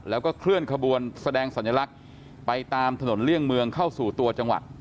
แล้วก็เคลื่อนขบวนแสดงสัญลักษณ์ไปตามถนนเลี่ยงเมืองเข้าสู่ตัวจังหวัด